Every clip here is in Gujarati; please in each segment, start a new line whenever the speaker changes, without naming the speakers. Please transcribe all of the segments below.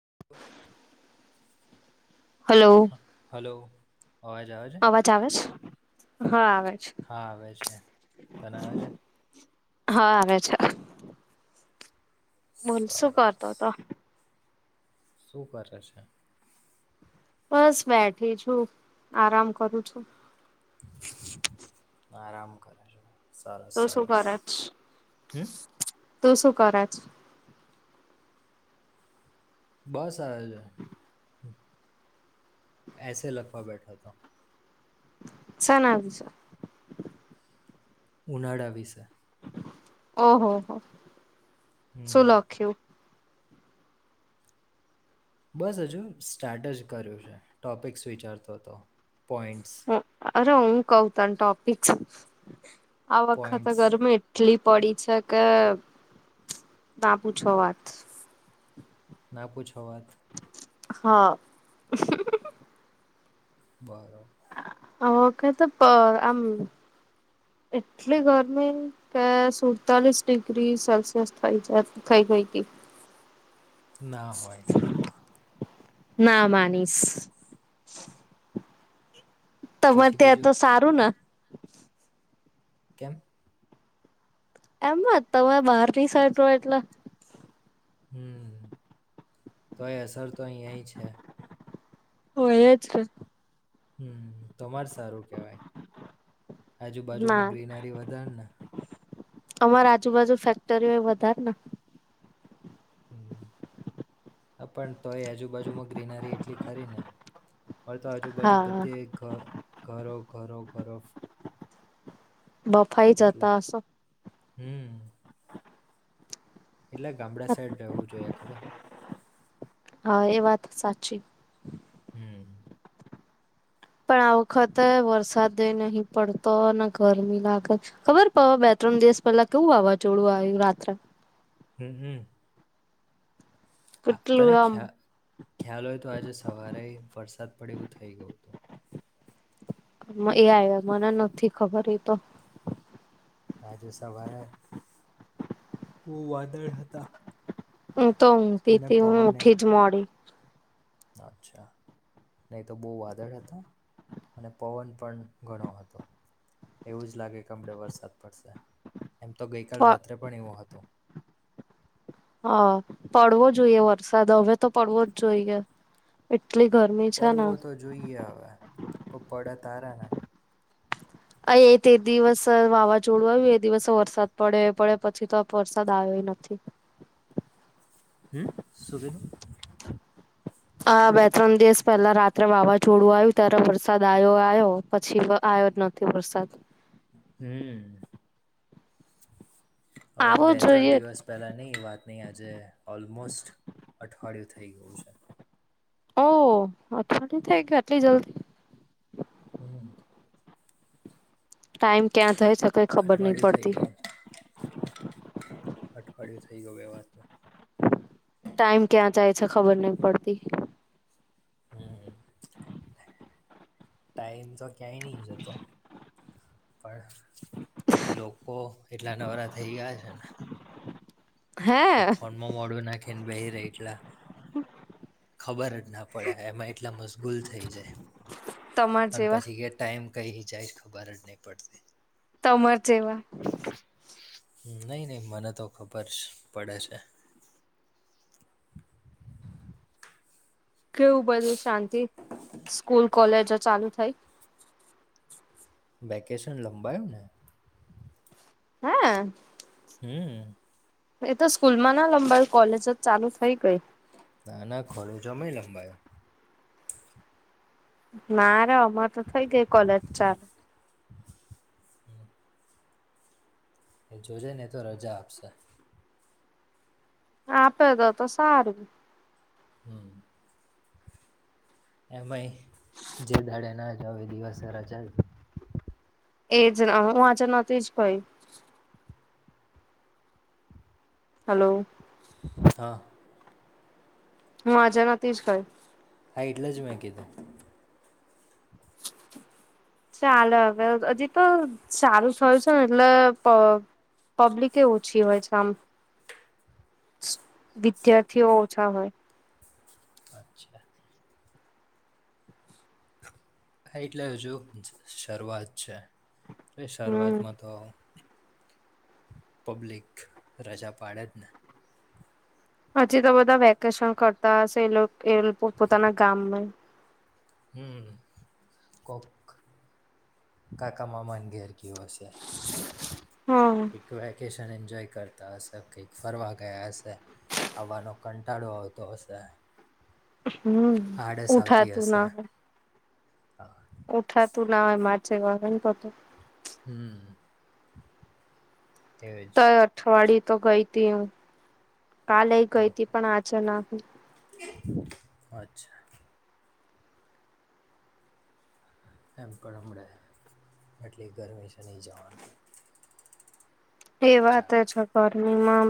[inaudible]
હલો,
હલો અવાજ આવે છે
અવાજ આવે છે? હા આવે. છે
હા આવે છે. તને આવે છે?
હા આવે છે. બોલ, શું
સરસ
કરતો હતો?
શું કરે છે?
બસ બેઠી છું. આરામ કરું છું.
આરામ કરે છે. સરસ
તું શું
સરસ,
કરે છ
હમ્મ.
તું શુ કર છ?
બસ [unintelligible] એસે લખવા બેઠા તો.
શેના વિશે?
ઉનાળા વિશે.
ઓહ હો હો. શું
હમ
લખ્યું?
બસ હજુ સ્ટાર્ટ જ કર્યું છે. ટોપિકસ વિચારતો હતો. પોઈન્ટસ.
અરે હું કહું તને ટોપિક્સ. આ વખત
પોઈન્ટ્સ
ગરમ એટલી પડી છે કે ના પૂછો વાત.
ના પૂછો વાત
હા.
બરો
ઓકે તો આમ એટલી ગરમી કે સુડતાલીસ ડિગ્રી સેલ્સિયસ થઈ જાય થઈ ગઈતી.
ના હોય.
ના માનીશ. તમારે
પછી
ત્યાં
બીજું
તો સારું ન? [inaudible]
કેમ?
એમજ તમે બહાર ની સાઈટ એટલે
હમ્મ, તોયે અસર તો અહીયાય છે.
ઓ એ જ છ.
હમ્મ, તમાર સ સારું કહેવાય, આજુબાજુમાં ગ્રીનરી વધારને
અમાર આજુબાજુ ફેક્ટરીઓ એ વધાર ને
હા પન તો એ આજુબાજુમાં ગ્રીનરી એટલી ખારી ને હય તો આજુબાજુ
હા
બધી ઘરો ઘરો ઘરો
બફાાઈ જતા હશો?
હમ્મ. એટલે ગામડા સાઈડ રહેવું જોઈએ ખબર.
હા એ વાત સાચી.
હમ્મ.
પણ આ વખતે વરસાદ નહી પડતો ને ગરમી લાગત ખબર પડ બે ત્રણ દિવસ પહેલા કેવું વાવાઝોડું આવ્યું રાત્રે.
હમ્મ હમ્મ. આ
કેટલું
તને
આમ
ખ્યા ખ્યાલ હોય તો આજે સવારે વરસાદ પડે એવું થઈ ગયું હતું.
એ આવ્યા મને નથી ખબર એતો.
આજે સવારે બહુ વાદળ હતા.
હું તો ઊઘટી
અને
ટી હું
પવને
ઊઠી જ મોડી.
અચ્છા નહી તો બહુ વાદળ હતા અને પવન પણ ઘણો હતો એવું જ લાગે કે આપડ વરસાદ પડશે. એમ તો ગઈ કલ
હ
રાત્રે પણ એવો હતું.
હા પડવો જોઈએ વરસાદ હવે તો પડવો જ જોઈએ. એટલી ગરમી છે ને
પડવો તો જોઈએ હવે પર પડે તારા ના
અ એ તે દિવસ વાવાઝોડું આવ્યું એ દિવસ વરસાદ પડે એ પડે પછી તો વરસાદ આવ્યો નથી.
હમ્મ શુ થયેલુ?
હ બે ત્રણ દિવસ પહેલા રાત્રે વાવાઝોડું આવ્યું ત્યારે વરસાદ આવ્યો આવ્યો. પછી આવ્યો જ નથી વરસાદ.
હમ્મ. હવે
આવો
બે ત્રણ
જોઈએ
દિવસ પહેલા ની વાત અહીં આજે ઓલમોસ્ટ અઠવાડિયું થઈ ગયું છે.
ઓ અઠવાડી થઈ ગ આટલી જલ્દી.
હમ્મ.
ટાઈમ ક્યાં થાય છે કઈ ખબર નઇ
અઠવાડિયું થઈ
પડતી.
ગયું અઠવાડિયું થઇ ગયું બે વાતમાં
ટાઈમ ક્યાં જાય છે ખબર નહ પડતી.
હમ્મ. ટાઈમ તો ક્યાંય નહીં જતો. પણ લોકો એટલા નવરા થઈ ગયા છે ને.
હે
ફોનમાં મોડું નાખીને બેહી રે એટલા. ખબર જ ના પડે એમાં એટલા મશગૂલ થઈ જાય.
તમાર
અને
જેવા
પછી કે ટાઈમ ટાઈમ કઈ રી જાય ખબર ન પડટી.
તમર જેવા.
નઈ નઇ મને તો ખબર જ પડે છે.
કેવું બધું શાંતિ સ્કૂલ કોલેજો ચાલુ થઈ.
વેકેશન લંબાયું ને.
હા.
હમ્મ.
એ તો સ્કૂલ માં ના લંબાઈ કોલેજ જ ચાલુ થઈ ગઈ.
ના ના ખોડું જ [unintelligible] લંબાયો.
ના રા આમાં તો થઇ ગઈ કોલેજ ચા
એ જોજે ને તો રજા આપશે.
આપે તો તો સારું.
હા. [unintelligible] જે [unintelligible] તો હવે દિવસે રાજા
એ જ ના હુ હું આજ નથી જ ભાઈ. હલો.
હા.
હું આજે નાથ [unintelligible]
હા એટલે જ મેં કીધું.
ચાલે હવે હજી તો સારું થયું છે ને એટલે પા પબ્લિક એ ઓછી હોય છે. આમ વિદ્યાર્થીઓ ઓછા હોય.
અચ્છા. હા એટલે હજુ શરૂઆત છે. એ
હમ
શરૂઆતમાં તો પબ્લિક રજા પાડે જ ને.
હજી તો બધા વેકેશન કરતા હશે એ લો એલ પોતાના ગામમાં યે.
હમ્મ કોક કાકા મામા ને ઘેરે. કેવાસે
હમ
એક વેકેશન એન્જોય કરતા હશે કંઈક ફરવા ગયા હશે આવવાનો કંટાળો આવતો હશે.
હમ્મ
આડસ આવતી
ઉઠાતું
હશે
ના હોય.
હા
ઉઠાતું ના હોય માં [unintelligible] પાટે.
હમ્મ.
તો અઠવાડિય તો ગઈ તી હું. કાલે ગઈ તી
ઓહો
પણ આજે નહીં.
અચ્છા. એમ પણ એમણે એટલે ગરમી છે ની જવાનું.
તે વાત
ચાલે
છે [unintelligible] મામા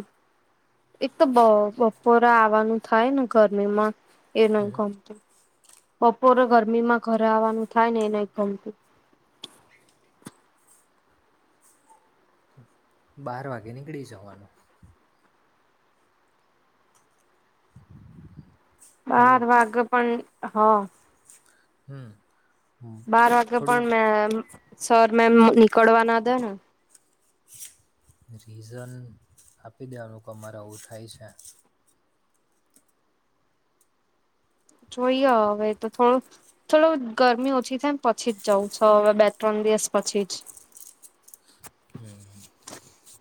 એક તો બા બપોરા આવવાનું થાય ને ગરમી માં. એનો
હમ
[unintelligible] બપોરે ગરમીમાં ઘરે આવવાનું થાય ને એ નઈ ગમતું
બાર વાગે નીકળી જવાનું. હલો
બાર વાગે પણ હા.
હમ્મ.
બાર વાગે પણ મેમ સર મેમ નીકળવા ના દે ને
રીઝન આપી દેવાનું કે મારે આવું થાય છે.
જોઈએ હવે તો થોડુંક થોડું ગરમી ઓછી થાય ન પછી જ જવું છ, હવે બે ત્રણ દિવસ પછી જ
હમ્મ.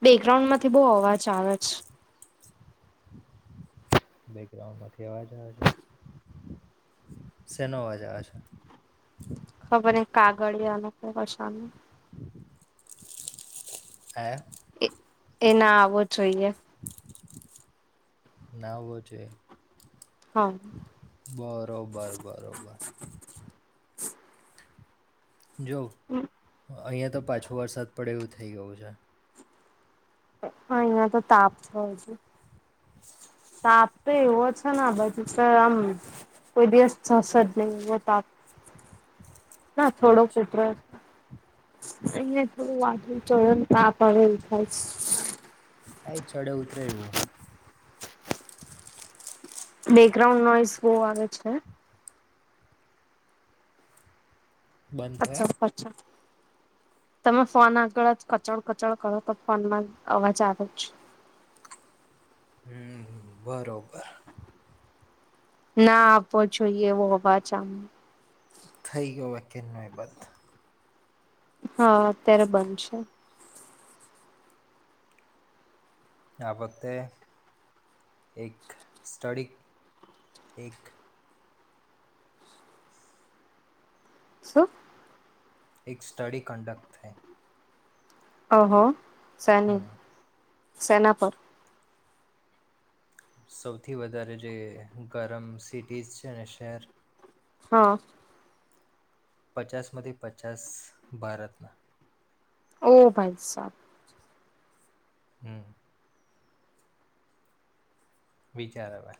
બેકગ્રાઉન્ડ માંથી બઉ અવાજ આવે છ.
બેકગ્રાઉન્ડ માંથી અવાજ આવે છે? શેનો અવાજ આવે છે?
ખબર નઈ કાગળિયાનો અવાજ આવ
આયા
એ એ ના આવવો જોઈએ.
ના આવવો જોઈએ
હા
બરોબર બરોબર. જો અહીંયા તો પાછો વરસાદ પડે એવું થઈ ગયું છે.
અહં અહીંયા તો તાપ થ છે હજી.
[inaudible]
તાપ તો એવો છે ને ભ સર આમ, કોઈ દિવસ થશે જ નહી એવો તાપ. ના થોડો. [unintelligible]
અચ્છા
અહીને થોડું વાંધું ચ એ ના પડેલ થાય.
[unintelligible] ત્રેવું. [unintelligible]
બેકગ્રાઉન્ડ નોઈસ બહુ આવે છે.
બંધ
અચ્છા
થયા
અચ્છા. તમે ફોન આગળ જ કચડ કચોડ કરો તો ફોનમાં અવાજ આવે.
હમ બરોબર.
ના આપો જોઈ એવો પાછા.
થઈ ગયો કે ન એ બંધ.
હા અત્યારે બંધ શે.
આ વતે, એક સ્ટડી એક
શું?
એક સ્ટડી કંડક્ટ થાય.
ઓ હો. શેની?
હમ
શેના પર?
સૌથી વધારે જે ગરમ સિટીશ છે ને શહેર.
હા.
પચાસ માથી પચાસ ભારતના.
ઓ ભાઈ સાબ.
હમ. વીચાર હવે.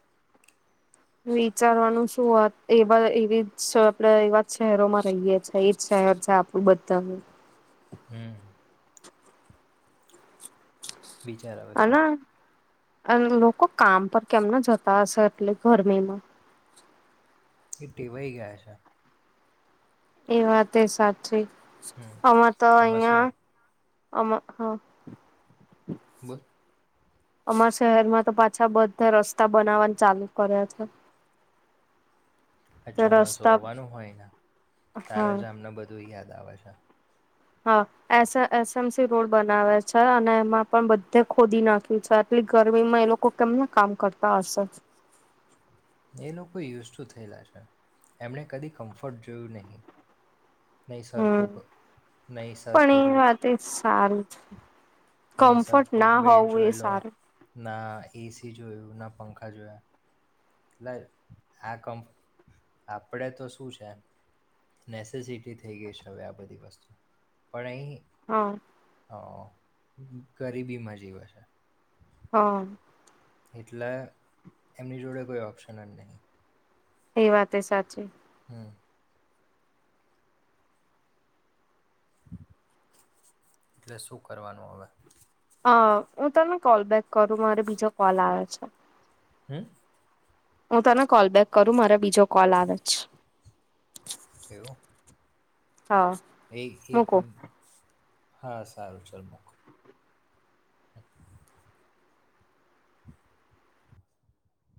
વિચારવાનું શુંત એવા એવી જ આપડે એવા જ શહેરોમાં રહીએ છે. છીએ એજ શહેર છે આપણું બધાનું.
હમ. બીચાર આવે તું.
અને અને લોકો કામ પર કેમના જતા હશે, એટલે ગરમીમાં.
એ ટેવાઈ ગયા છે.
એ વાતે સાચી.
હમ
અમે તો
આમાં
એયા
શું
આમાં હા.
[unintelligible]
અમારા શહેરમાં તો પાછા બધા રસ્તા બનાવવાની ચાલુ કર્યા છે.
આ
તો
ચોમાસું
રસ્તા
આવવાનું હોય ને
હા
તારા જામને બધું યાદ [unintelligible]
હા એ એસ એમ સી રોડ બનાવે છે. અને એમાં પણ બધે ખોદી નાખ્યું છે. આટલી ગરમીમાં એ લોકો કેમને કામ કરતા હશે.
એ લોકો યુઝુ તુ થયેલા છે. એમણે કદી કમ્ફર્ટ જોયું નહીં. નહી
હમ
સરખું નહીં
પણ
સરખું.
એ
[unintelligible]
વાત એ સારું છે.
નહી સર ખૂબ બેટ જોઈ લો ના. એસી જોયો ના પંખા જોયા. એટલે આ કમ આપડે તો શું છે નેસેસિટી થઈ ગઈ છે હવે આ બધી વસ્તુ. પણ આહી
હા
હ [inaudible] ગરીબીમાં જીવે છે.
હમ.
એટલે એમની જોડે કોઈ ઓપ્શન જ નહીિ.
એ વાતે સાચી.
એટલે શું કરવાનું હવે.
હ હું તને કોલબેક કરું મારે બીજો કોલ આવે છે.
હમ.
હું તને કોલ બેેક કરું મારા બ. જો કોલ આવે છે.
એવું.
હા
એ એક
મૂકો.
હા સારું ચાલ મુક. હ [inaudible]